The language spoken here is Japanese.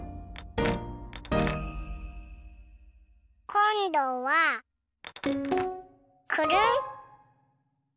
こんどはくるん。